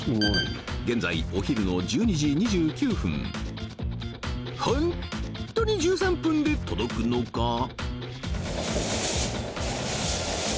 現在お昼の１２時２９分本当に１３分で届くのか？